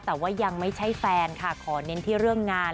แต่ว่ายังไม่ใช่แฟนค่ะขอเน้นที่เรื่องงาน